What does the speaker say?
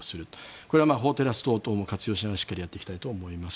これは法テラス等々も活用しながらしっかりやっていきたいと思います。